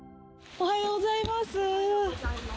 おはようございます。